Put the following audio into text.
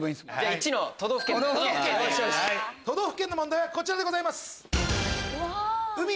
「都道府県」の問題はこちらでございます。